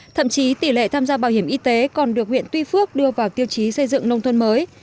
thậm chí tỷ lệ tham gia bảo hiểm y tế còn được huyện tuy phước đưa vào tiêu chí xây dựng nông thôn mới